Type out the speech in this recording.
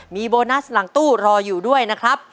มีโบนัสหลังตู้รออยู่ด้วยนะครับ